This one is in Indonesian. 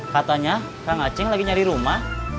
katanya kang aceh lagi nyari rumah